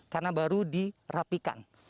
karena baru dirapikan